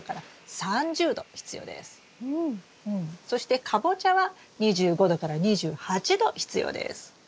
そしてカボチャは２５℃２８℃必要です。